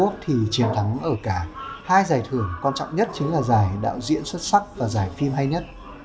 chiến thắng ở cả hai giải thưởng con trọng nhất chính là giải đạo diễn xuất sắc và giải phim hay nhất